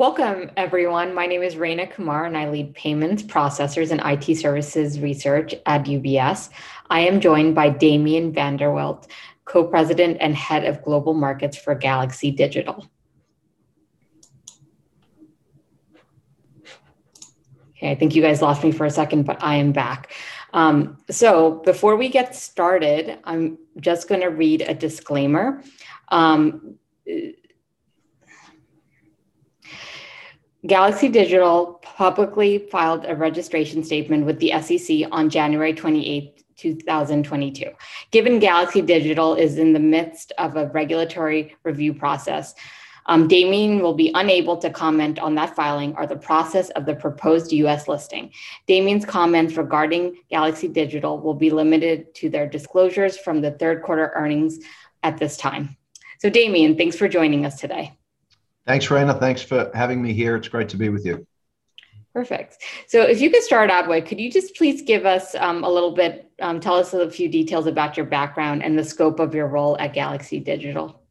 Welcome, everyone. My name is Rayna Kumar, and I lead payments, processors, and IT services research at UBS. I am joined by Damien Vanderwilt, Co-President and Head of Global Markets for Galaxy Digital. Okay, I think you guys lost me for a second, but I am back. So before we get started, I'm just going to read a disclaimer. Galaxy Digital publicly filed a registration statement with the SEC on January 28, 2022. Given Galaxy Digital is in the midst of a regulatory review process, Damien will be unable to comment on that filing or the process of the proposed U.S. listing. Damien's comments regarding Galaxy Digital will be limited to their disclosures from the Q3 earnings at this time. So Damien, thanks for joining us today. Thanks, Rayna. Thanks for having me here. It's great to be with you. Perfect. So if you could start out, could you just please give us a little bit, tell us a few details about your background and the scope of your role at Galaxy Digital?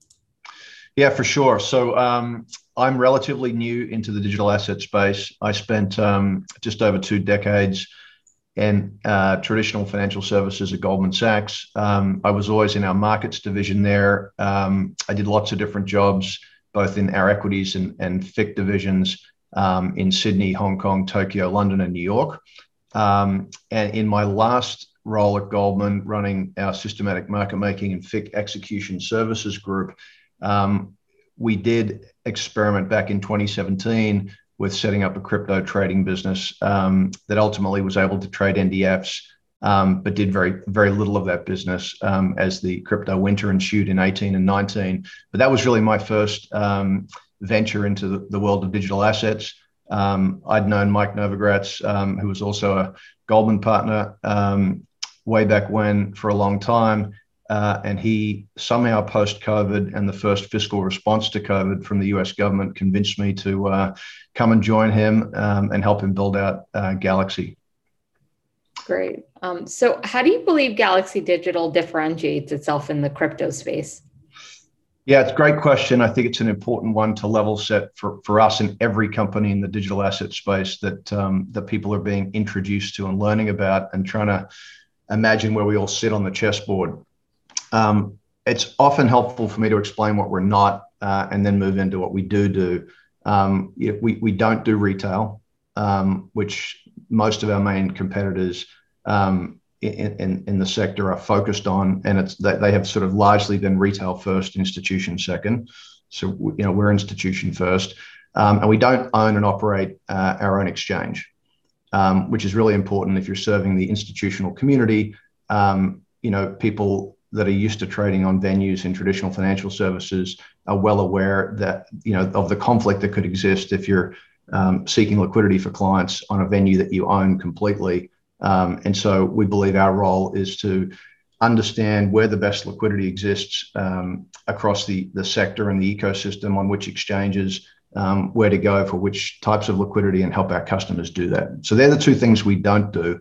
Yeah, for sure. So I'm relatively new into the digital asset space. I spent just over two decades in traditional financial services at Goldman Sachs. I was always in our markets division there. I did lots of different jobs, both in our equities and FICC divisions in Sydney, Hong Kong, Tokyo, London, and New York. And in my last role at Goldman, running our systematic market making and FICC execution services group, we did experiment back in 2017 with setting up a crypto trading business that ultimately was able to trade NDFs, but did very little of that business as the crypto winter ensued in 2018 and 2019. But that was really my first venture into the world of digital assets. I'd known Mike Novogratz, who was also a Goldman partner way back when for a long time. He somehow, post-COVID, and the first fiscal response to COVID from the U.S. government convinced me to come and join him and help him build out Galaxy. Great. So how do you believe Galaxy Digital differentiates itself in the crypto space? Yeah, it's a great question. I think it's an important one to level set for us in every company in the digital asset space that people are being introduced to and learning about and trying to imagine where we all sit on the chessboard. It's often helpful for me to explain what we're not and then move into what we do do. We don't do retail, which most of our main competitors in the sector are focused on. And they have sort of largely been retail first, institution second. So we're institution first. And we don't own and operate our own exchange, which is really important if you're serving the institutional community. People that are used to trading on venues in traditional financial services are well aware of the conflict that could exist if you're seeking liquidity for clients on a venue that you own completely. And so we believe our role is to understand where the best liquidity exists across the sector and the ecosystem, on which exchanges, where to go for which types of liquidity, and help our customers do that. So they're the two things we don't do.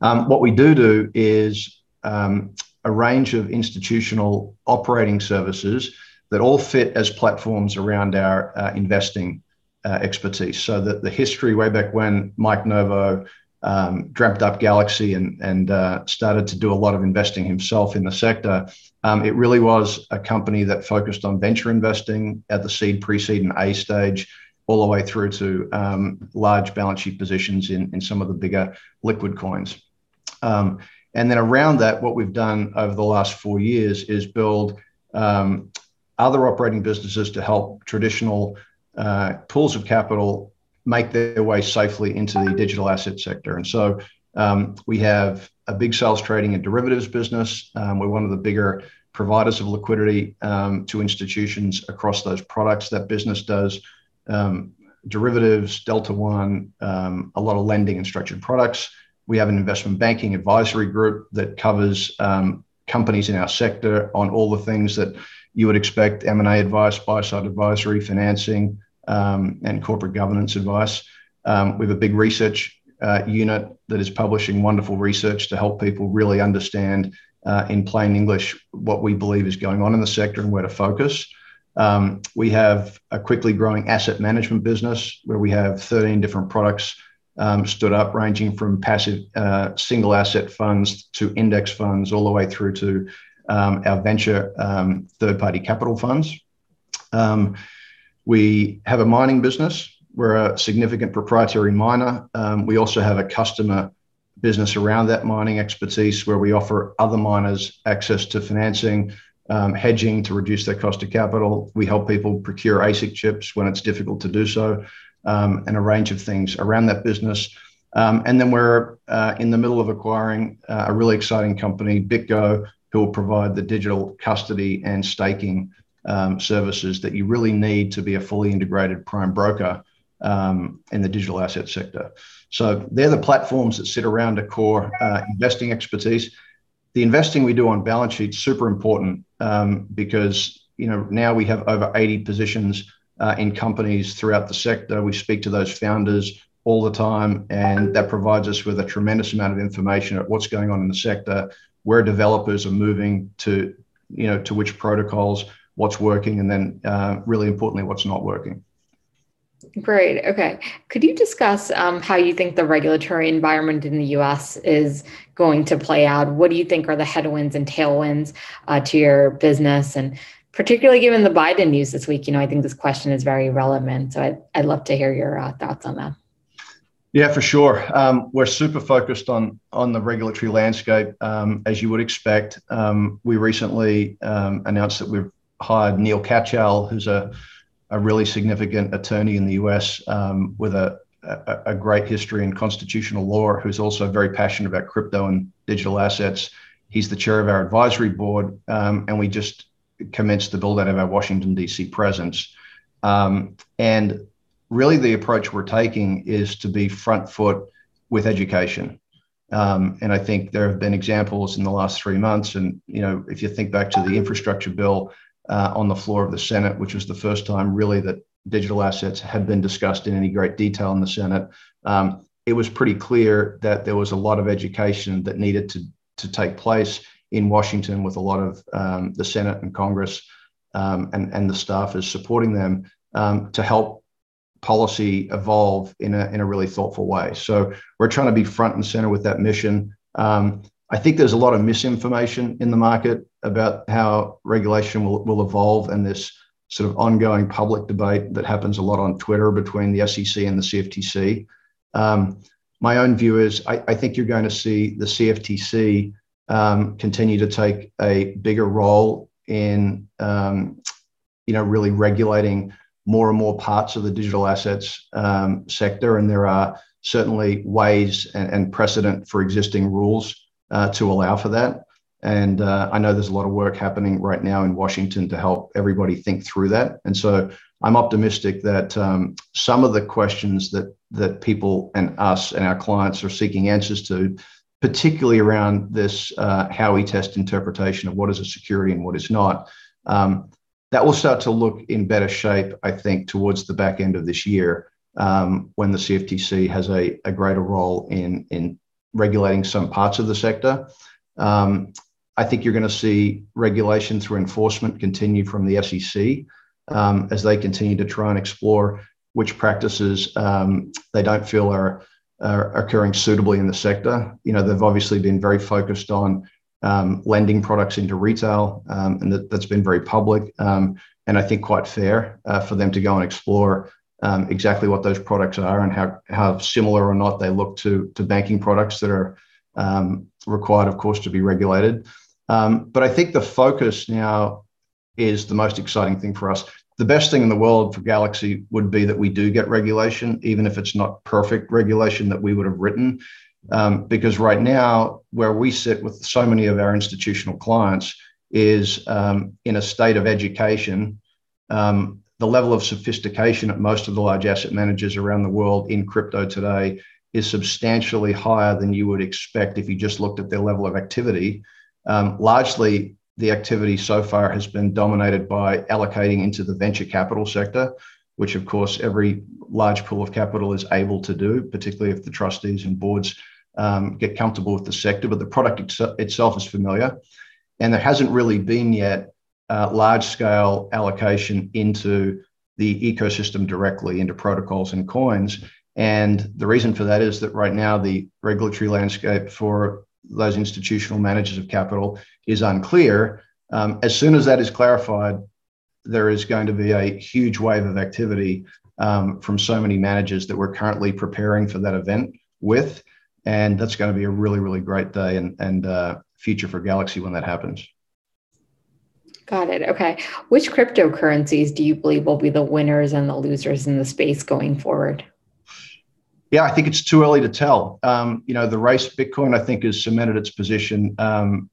What we do do is a range of institutional operating services that all fit as platforms around our investing expertise. So the history way back when Mike Novogratz dreamt up Galaxy and started to do a lot of investing himself in the sector, it really was a company that focused on venture investing at the seed, pre-seed, and A stage all the way through to large balance sheet positions in some of the bigger liquid coins. And then around that, what we've done over the last four years is build other operating businesses to help traditional pools of capital make their way safely into the digital asset sector. And so we have a big sales trading and derivatives business. We're one of the bigger providers of liquidity to institutions across those products. That business does derivatives, Delta One, a lot of lending and structured products. We have an investment banking advisory group that covers companies in our sector on all the things that you would expect: M&A advice, buy-side advisory, financing, and corporate governance advice. We have a big research unit that is publishing wonderful research to help people really understand, in plain English, what we believe is going on in the sector and where to focus. We have a quickly growing asset management business where we have 13 different products stood up, ranging from passive single asset funds to index funds all the way through to our venture third-party capital funds. We have a mining business. We're a significant proprietary miner. We also have a customer business around that mining expertise where we offer other miners access to financing, hedging to reduce their cost of capital. We help people procure ASIC chips when it's difficult to do so, and a range of things around that business. And then we're in the middle of acquiring a really exciting company, BitGo, who will provide the digital custody and staking services that you really need to be a fully integrated prime broker in the digital asset sector. So they're the platforms that sit around a core investing expertise. The investing we do on balance sheet is super important because now we have over 80 positions in companies throughout the sector. We speak to those founders all the time. That provides us with a tremendous amount of information about what's going on in the sector, where developers are moving to which protocols, what's working, and then really importantly, what's not working. Great. Okay. Could you discuss how you think the regulatory environment in the U.S. is going to play out? What do you think are the headwinds and tailwinds to your business? And particularly given the Biden news this week, I think this question is very relevant. So I'd love to hear your thoughts on that. Yeah, for sure. We're super focused on the regulatory landscape, as you would expect. We recently announced that we've hired Neal Katyal, who's a really significant attorney in the U.S. with a great history in constitutional law, who's also very passionate about crypto and digital assets. He's the chair of our advisory board, and we just commenced the buildout of our Washington, D.C. presence, and really, the approach we're taking is to be front foot with education, and I think there have been examples in the last three months. And if you think back to the infrastructure bill on the floor of the Senate, which was the first time really that digital assets had been discussed in any great detail in the Senate, it was pretty clear that there was a lot of education that needed to take place in Washington with a lot of the Senate and Congress and the staff supporting them to help policy evolve in a really thoughtful way. So we're trying to be front and center with that mission. I think there's a lot of misinformation in the market about how regulation will evolve and this sort of ongoing public debate that happens a lot on Twitter between the SEC and the CFTC. My own view is I think you're going to see the CFTC continue to take a bigger role in really regulating more and more parts of the digital assets sector. And there are certainly ways and precedent for existing rules to allow for that. And I know there's a lot of work happening right now in Washington to help everybody think through that. And so I'm optimistic that some of the questions that people and us and our clients are seeking answers to, particularly around this Howey Test interpretation of what is a security and what is not, that will start to look in better shape, I think, towards the back end of this year when the CFTC has a greater role in regulating some parts of the sector. I think you're going to see regulation through enforcement continue from the SEC as they continue to try and explore which practices they don't feel are occurring suitably in the sector. They've obviously been very focused on lending products into retail. And that's been very public. And I think it's quite fair for them to go and explore exactly what those products are and how similar or not they look to banking products that are required, of course, to be regulated. But I think the focus now is the most exciting thing for us. The best thing in the world for Galaxy would be that we do get regulation, even if it's not perfect regulation that we would have written. Because right now, where we sit with so many of our institutional clients is in a state of education. The level of sophistication at most of the large asset managers around the world in crypto today is substantially higher than you would expect if you just looked at their level of activity. Largely, the activity so far has been dominated by allocating into the venture capital sector, which, of course, every large pool of capital is able to do, particularly if the trustees and boards get comfortable with the sector. But the product itself is familiar. And there hasn't really been yet large-scale allocation into the ecosystem directly into protocols and coins. And the reason for that is that right now, the regulatory landscape for those institutional managers of capital is unclear. As soon as that is clarified, there is going to be a huge wave of activity from so many managers that we're currently preparing for that event with. And that's going to be a really, really great day and future for Galaxy when that happens. Got it. Okay. Which cryptocurrencies do you believe will be the winners and the losers in the space going forward? Yeah, I think it's too early to tell. The race, Bitcoin, I think, has cemented its position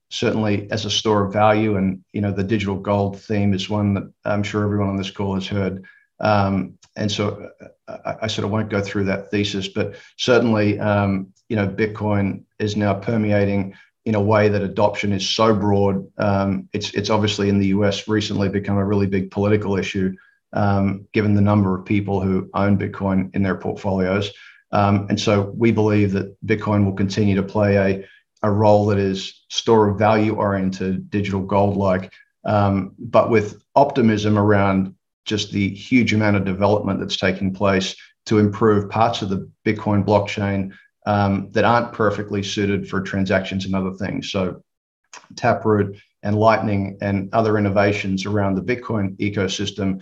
certainly as a store of value, and the digital gold theme is one that I'm sure everyone on this call has heard, and so I sort of won't go through that thesis, but certainly, Bitcoin is now permeating in a way that adoption is so broad. It's obviously in the U.S. recently become a really big political issue given the number of people who own Bitcoin in their portfolios, and so we believe that Bitcoin will continue to play a role that is store of value-oriented digital gold-like, but with optimism around just the huge amount of development that's taking place to improve parts of the Bitcoin blockchain that aren't perfectly suited for transactions and other things, so Taproot and Lightning and other innovations around the Bitcoin ecosystem,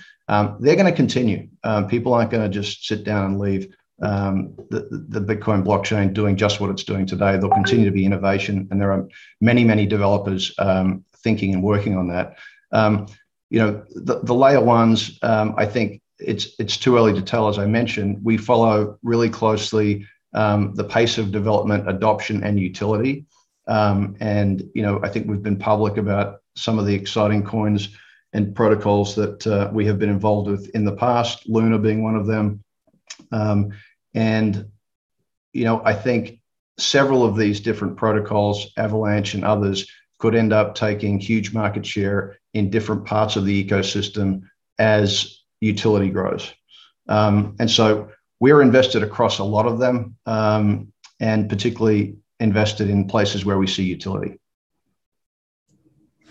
they're going to continue. People aren't going to just sit down and leave the Bitcoin blockchain doing just what it's doing today. There'll continue to be innovation. And there are many, many developers thinking and working on that. The layer ones, I think it's too early to tell. As I mentioned, we follow really closely the pace of development, adoption, and utility. And I think we've been public about some of the exciting coins and protocols that we have been involved with in the past, Luna being one of them. And I think several of these different protocols, Avalanche and others, could end up taking huge market share in different parts of the ecosystem as utility grows. And so we're invested across a lot of them and particularly invested in places where we see utility.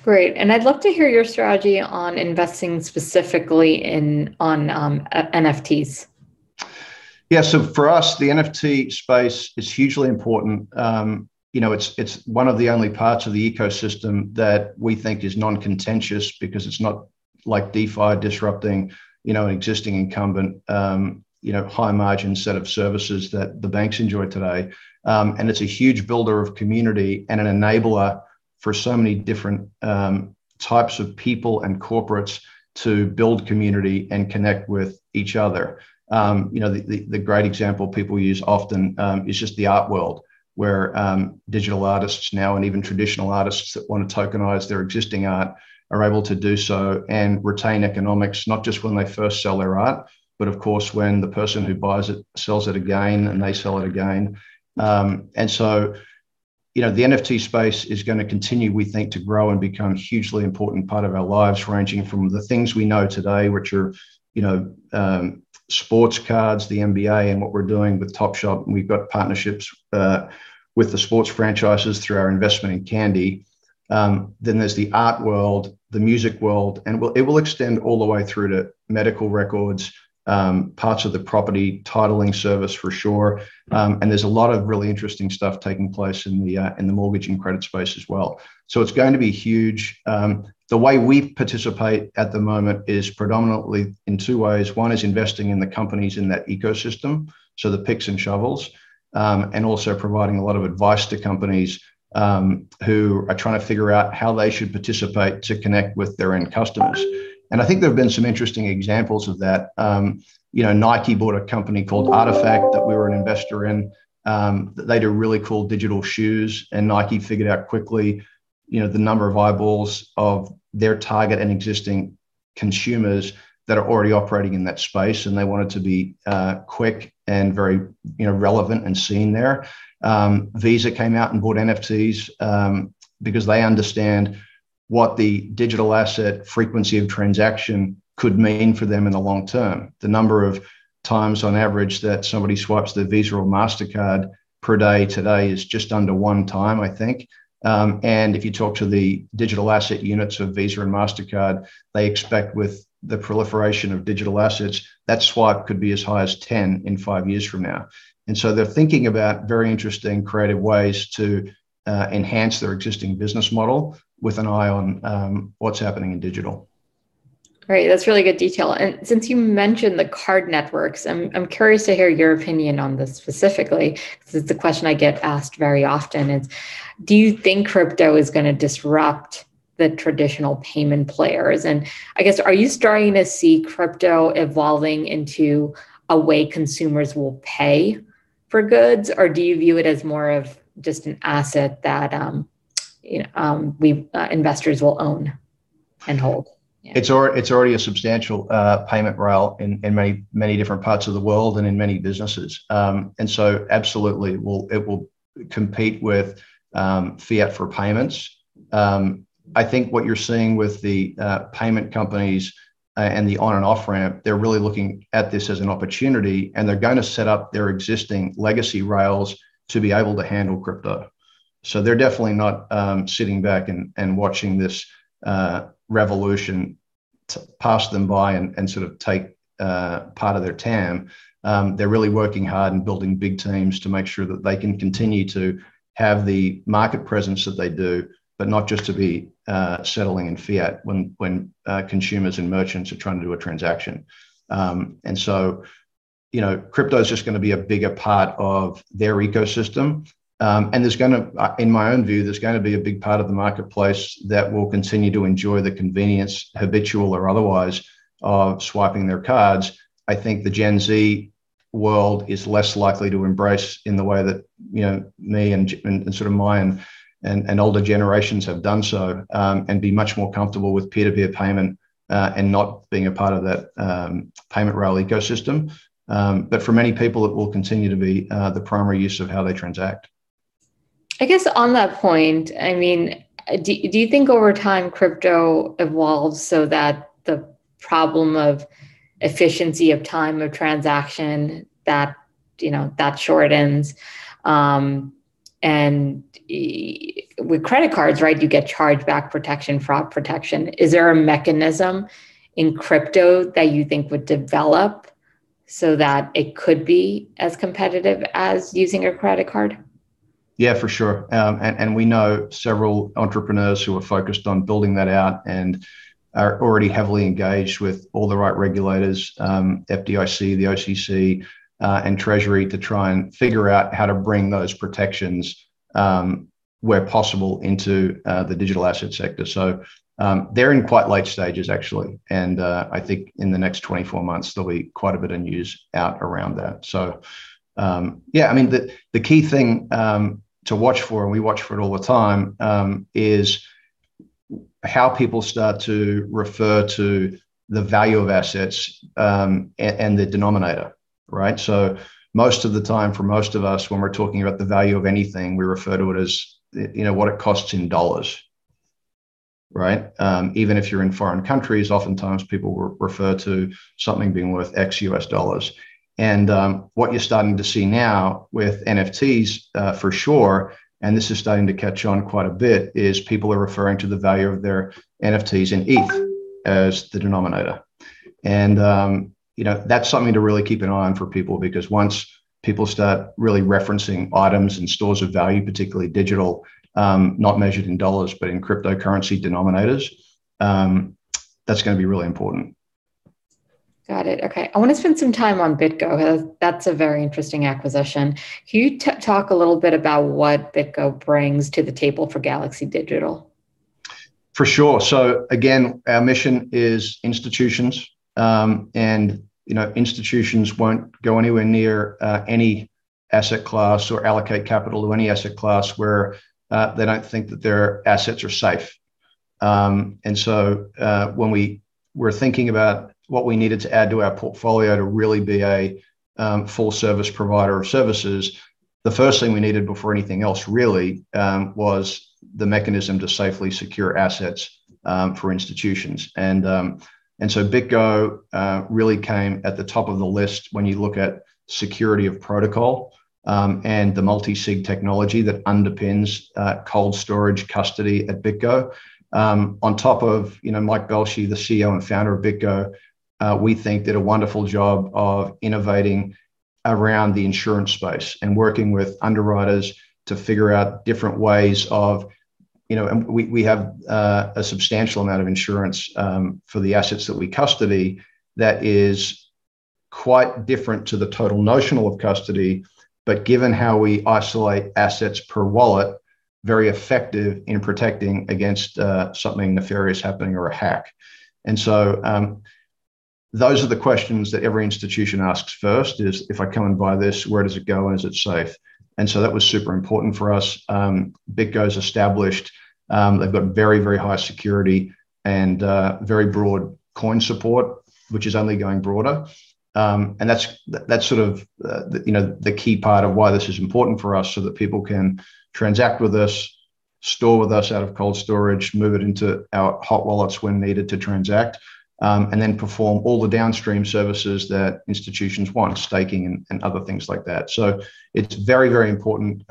Great, and I'd love to hear your strategy on investing specifically in NFTs. Yeah, so for us, the NFT space is hugely important. It's one of the only parts of the ecosystem that we think is non-contentious because it's not like DeFi disrupting an existing incumbent high-margin set of services that the banks enjoy today, and it's a huge builder of community and an enabler for so many different types of people and corporates to build community and connect with each other. The great example people use often is just the art world where digital artists now and even traditional artists that want to tokenize their existing art are able to do so and retain economics not just when they first sell their art, but of course, when the person who buys it sells it again and they sell it again. And so the NFT space is going to continue, we think, to grow and become a hugely important part of our lives, ranging from the things we know today, which are sports cards, the NBA, and what we're doing with Topps. We've got partnerships with the sports franchises through our investment in Candy. Then there's the art world, the music world. And it will extend all the way through to medical records, parts of the property titling service for sure. And there's a lot of really interesting stuff taking place in the mortgage and credit space as well. So it's going to be huge. The way we participate at the moment is predominantly in two ways. One is investing in the companies in that ecosystem, so the picks and shovels, and also providing a lot of advice to companies who are trying to figure out how they should participate to connect with their end customers. And I think there have been some interesting examples of that. Nike bought a company called RTFKT that we were an investor in. They did really cool digital shoes. And Nike figured out quickly the number of eyeballs of their target and existing consumers that are already operating in that space. And they wanted to be quick and very relevant and seen there. Visa came out and bought NFTs because they understand what the digital asset frequency of transaction could mean for them in the long term. The number of times on average that somebody swipes their Visa or Mastercard per day today is just under one time, I think. If you talk to the digital asset units of Visa and Mastercard, they expect with the proliferation of digital assets, that swipe could be as high as 10% in five years from now. And so they're thinking about very interesting creative ways to enhance their existing business model with an eye on what's happening in digital. Great. That's really good detail. And since you mentioned the card networks, I'm curious to hear your opinion on this specifically because it's a question I get asked very often. Do you think crypto is going to disrupt the traditional payment players? And I guess, are you starting to see crypto evolving into a way consumers will pay for goods? Or do you view it as more of just an asset that investors will own and hold? It's already a substantial payment rail in many different parts of the world and in many businesses. And so absolutely, it will compete with fiat for payments. I think what you're seeing with the payment companies and the on-and-off ramp, they're really looking at this as an opportunity. And they're going to set up their existing legacy rails to be able to handle crypto. So they're definitely not sitting back and watching this revolution pass them by and sort of take part of their time. They're really working hard and building big teams to make sure that they can continue to have the market presence that they do, but not just to be settling in fiat when consumers and merchants are trying to do a transaction. And so crypto is just going to be a bigger part of their ecosystem. And in my own view, there's going to be a big part of the marketplace that will continue to enjoy the convenience, habitual or otherwise, of swiping their cards. I think the Gen Z world is less likely to embrace in the way that me and sort of my and older generations have done so and be much more comfortable with peer-to-peer payment and not being a part of that payment rail ecosystem. But for many people, it will continue to be the primary use of how they transact. I guess on that point, I mean, do you think over time crypto evolves so that the problem of efficiency of time of transaction, that shortens? And with credit cards, right, you get chargeback protection, fraud protection. Is there a mechanism in crypto that you think would develop so that it could be as competitive as using a credit card? Yeah, for sure, and we know several entrepreneurs who are focused on building that out and are already heavily engaged with all the right regulators, FDIC, the OCC, and Treasury to try and figure out how to bring those protections where possible into the digital asset sector. So they're in quite late stages, actually, and I think in the next 24 months, there'll be quite a bit of news out around that. So yeah, I mean, the key thing to watch for, and we watch for it all the time, is how people start to refer to the value of assets and the denominator, right? So most of the time for most of us, when we're talking about the value of anything, we refer to it as what it costs in dollars, right? Even if you're in foreign countries, oftentimes people will refer to something being worth X US dollars. What you're starting to see now with NFTs for sure, and this is starting to catch on quite a bit, is people are referring to the value of their NFTs in ETH as the denominator. That's something to really keep an eye on for people because once people start really referencing items and stores of value, particularly digital, not measured in dollars, but in cryptocurrency denominators, that's going to be really important. Got it. Okay. I want to spend some time on BitGo. That's a very interesting acquisition. Can you talk a little bit about what BitGo brings to the table for Galaxy Digital? For sure. So again, our mission is institutions. And institutions won't go anywhere near any asset class or allocate capital to any asset class where they don't think that their assets are safe. And so when we were thinking about what we needed to add to our portfolio to really be a full-service provider of services, the first thing we needed before anything else really was the mechanism to safely secure assets for institutions. And so BitGo really came at the top of the list when you look at security of protocol and the multi-sig technology that underpins cold storage custody at BitGo. On top of Mike Belshe, the CEO and founder of BitGo, we think did a wonderful job of innovating around the insurance space and working with underwriters to figure out different ways of we have a substantial amount of insurance for the assets that we custody that is quite different to the total notional of custody, but given how we isolate assets per wallet, very effective in protecting against something nefarious happening or a hack. And so those are the questions that every institution asks first is, if I come and buy this, where does it go and is it safe? And so that was super important for us. BitGo is established. They've got very, very high security and very broad coin support, which is only going broader. That's sort of the key part of why this is important for us so that people can transact with us, store with us out of cold storage, move it into our hot wallets when needed to transact, and then perform all the downstream services that institutions want, staking and other things like that. It's very, very important,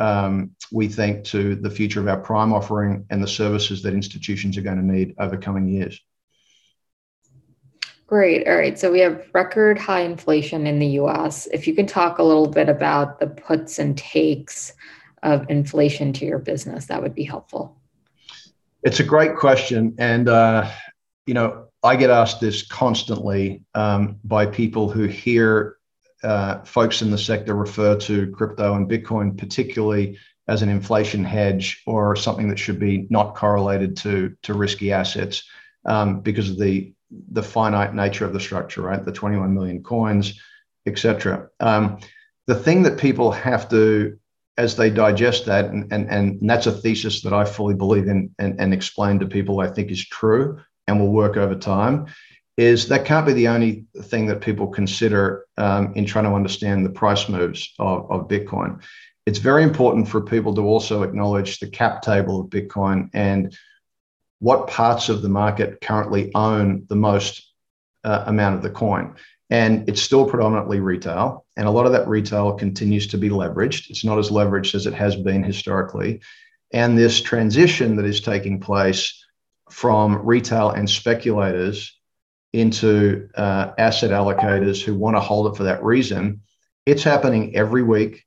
we think, to the future of our prime offering and the services that institutions are going to need over coming years. Great. All right. So we have record high inflation in the U.S. If you can talk a little bit about the puts and takes of inflation to your business, that would be helpful. It's a great question, and I get asked this constantly by people who hear folks in the sector refer to crypto and Bitcoin particularly as an inflation hedge or something that should be not correlated to risky assets because of the finite nature of the structure, right, the 21 million coins, etc. The thing that people have to, as they digest that, and that's a thesis that I fully believe in and explain to people I think is true and will work over time, is that can't be the only thing that people consider in trying to understand the price moves of Bitcoin. It's very important for people to also acknowledge the cap table of Bitcoin and what parts of the market currently own the most amount of the coin, and it's still predominantly retail, and a lot of that retail continues to be leveraged. It's not as leveraged as it has been historically, and this transition that is taking place from retail and speculators into asset allocators who want to hold it for that reason, it's happening every week,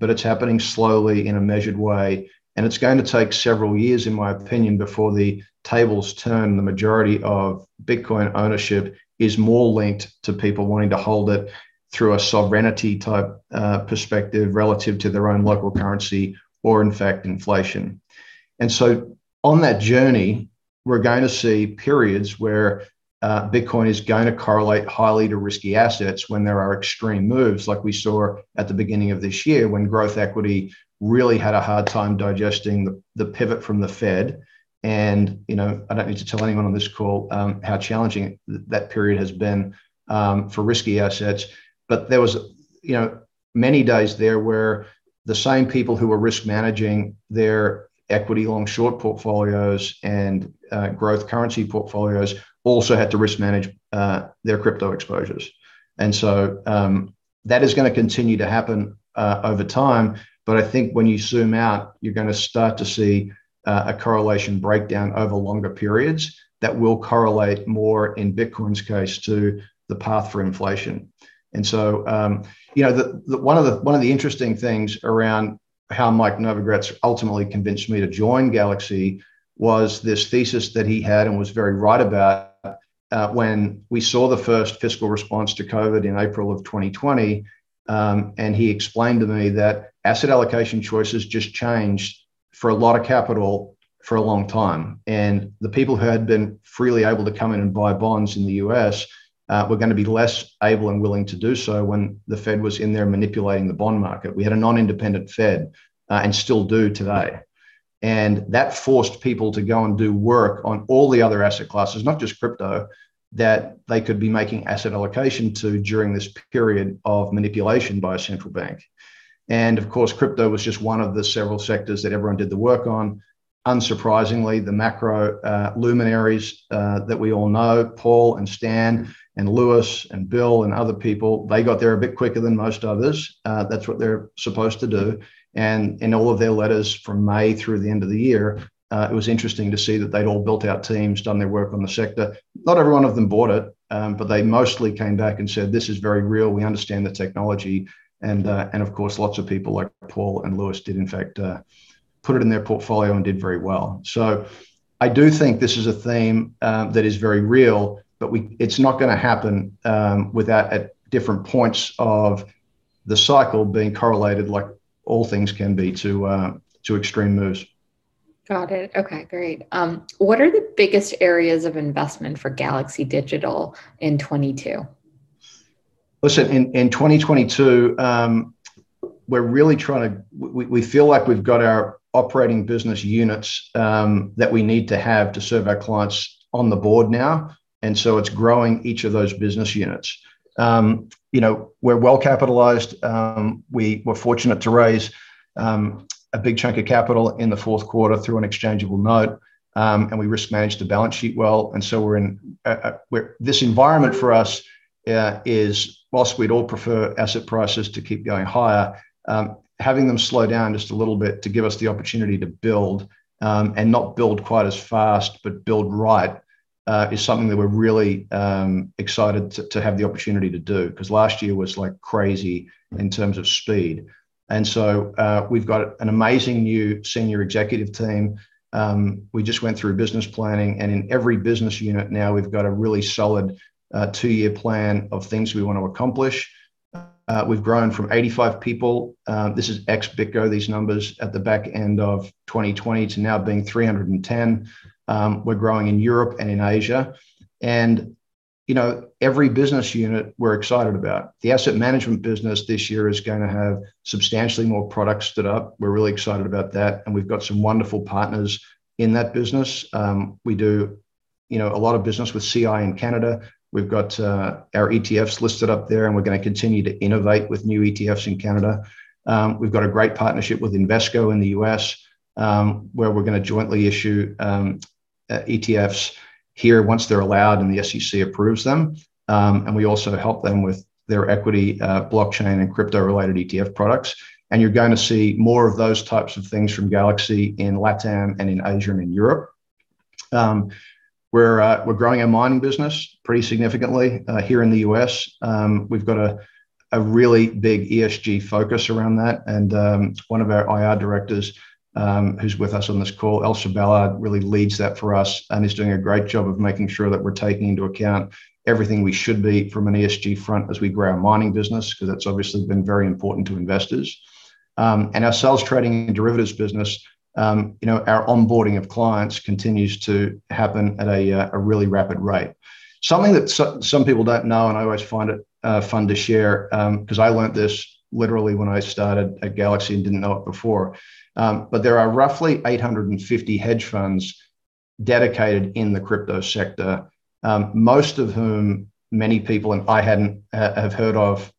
but it's happening slowly in a measured way, and it's going to take several years, in my opinion, before the tables turn. The majority of Bitcoin ownership is more linked to people wanting to hold it through a sovereignty type perspective relative to their own local currency or, in fact, inflation, and so on that journey, we're going to see periods where Bitcoin is going to correlate highly to risky assets when there are extreme moves like we saw at the beginning of this year when growth equity really had a hard time digesting the pivot from the Fed. And I don't need to tell anyone on this call how challenging that period has been for risky assets. But there were many days there where the same people who were risk managing their equity long-short portfolios and growth currency portfolios also had to risk manage their crypto exposures. And so that is going to continue to happen over time. But I think when you zoom out, you're going to start to see a correlation breakdown over longer periods that will correlate more in Bitcoin's case to the path for inflation. And so one of the interesting things around how Mike Novogratz ultimately convinced me to join Galaxy was this thesis that he had and was very right about when we saw the first fiscal response to COVID in April of 2020. And he explained to me that asset allocation choices just changed for a lot of capital for a long time. And the people who had been freely able to come in and buy bonds in the U.S. were going to be less able and willing to do so when the Fed was in there manipulating the bond market. We had a non-independent Fed and still do today. And that forced people to go and do work on all the other asset classes, not just crypto, that they could be making asset allocation to during this period of manipulation by a central bank. And of course, crypto was just one of the several sectors that everyone did the work on. Unsurprisingly, the macro luminaries that we all know, Paul and Stan and Louis and Bill and other people, they got there a bit quicker than most others. That's what they're supposed to do. And in all of their letters from May through the end of the year, it was interesting to see that they'd all built out teams, done their work on the sector. Not every one of them bought it, but they mostly came back and said, "This is very real. We understand the technology." And of course, lots of people like Paul and Louis did, in fact, put it in their portfolio and did very well. So I do think this is a theme that is very real, but it's not going to happen without at different points of the cycle being correlated like all things can be to extreme moves. Got it. Okay. Great. What are the biggest areas of investment for Galaxy Digital in 2022? Listen, in 2022, we're really trying to, we feel like we've got our operating business units that we need to have to serve our clients on board now. So it's growing each of those business units. We're well capitalized. We were fortunate to raise a big chunk of capital in the Q4 through an exchangeable note. We risk managed the balance sheet well. So this environment for us is, while we'd all prefer asset prices to keep going higher, having them slow down just a little bit to give us the opportunity to build and not build quite as fast, but build right is something that we're really excited to have the opportunity to do because last year was like crazy in terms of speed. So we've got an amazing new senior executive team. We just went through business planning. In every business unit now, we've got a really solid two-year plan of things we want to accomplish. We've grown from 85 people. This is ex-BitGo, these numbers at the back end of 2020 to now being 310. We're growing in Europe and in Asia. Every business unit we're excited about. The asset management business this year is going to have substantially more products stood up. We're really excited about that. We've got some wonderful partners in that business. We do a lot of business with CI in Canada. We've got our ETFs listed up there, and we're going to continue to innovate with new ETFs in Canada. We've got a great partnership with Invesco in the U.S. where we're going to jointly issue ETFs here once they're allowed and the SEC approves them. We also help them with their equity, blockchain, and crypto-related ETF products. And you're going to see more of those types of things from Galaxy in Latin and in Asia and in Europe. We're growing our mining business pretty significantly here in the U.S. We've got a really big ESG focus around that. And one of our IR directors who's with us on this call, Elsa Ballard, really leads that for us and is doing a great job of making sure that we're taking into account everything we should be from an ESG front as we grow our mining business because that's obviously been very important to investors. And our sales trading and derivatives business, our onboarding of clients continues to happen at a really rapid rate. Something that some people don't know, and I always find it fun to share because I learned this literally when I started at Galaxy and didn't know it before. But there are roughly 850 hedge funds dedicated in the crypto sector, most of whom many people I hadn't heard of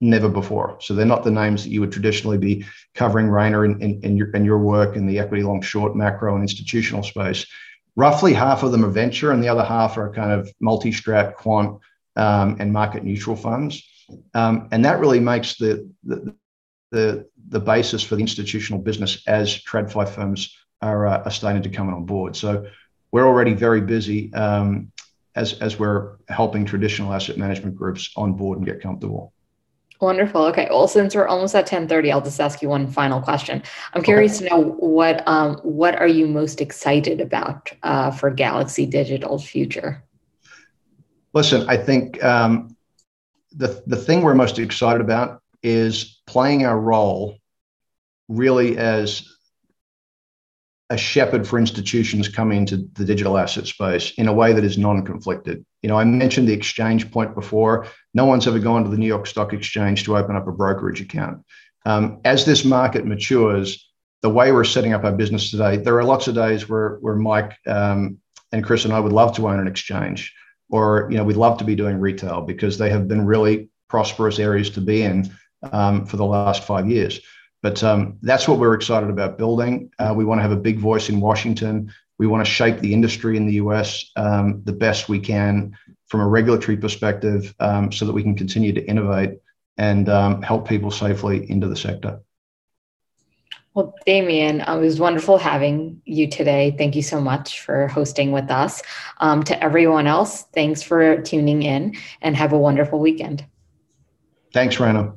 never before. So they're not the names that you would traditionally be covering, Rayna, in your work in the equity long-short macro and institutional space. Roughly half of them are venture, and the other half are kind of multi-strat, quant, and market neutral funds. And that really makes the basis for the institutional business as TradFi firms are starting to come on board. So we're already very busy as we're helping traditional asset management groups on board and get comfortable. Wonderful. Okay. Well, since we're almost at 10:30 A.M., I'll just ask you one final question. I'm curious to know what are you most excited about for Galaxy Digital's future? Listen, I think the thing we're most excited about is playing our role really as a shepherd for institutions coming into the digital asset space in a way that is non-conflicted. I mentioned the exchange point before. No one's ever gone to the New York Stock Exchange to open up a brokerage account. As this market matures, the way we're setting up our business today, there are lots of days where Mike and Chris and I would love to own an exchange or we'd love to be doing retail because they have been really prosperous areas to be in for the last five years. But that's what we're excited about building. We want to have a big voice in Washington. We want to shape the industry in the U.S. the best we can from a regulatory perspective so that we can continue to innovate and help people safely into the sector. Damien, it was wonderful having you today. Thank you so much for hosting with us. To everyone else, thanks for tuning in and have a wonderful weekend. Thanks, Rayna.